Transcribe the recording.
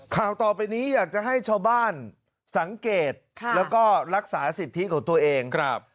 ข่าวต่อไปนี้อยากจะให้ชาวบ้านสังเกตแล้วก็รักษาสิทธิของตัวเองครับ